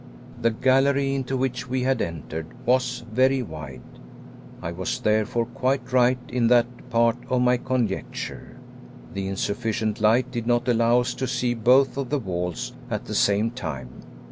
The gallery into which we had entered was very wide. I was, therefore, quite right in that part of my conjecture. The insufficient light did not allow us to see both of the walls at the same time.